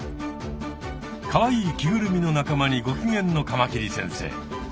かわいい着ぐるみの仲間にごきげんのカマキリ先生。